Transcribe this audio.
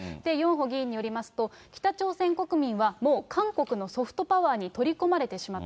ヨンホ議員によりますと北朝鮮国民は、もう韓国のソフトパワーに取り込まれてしまった。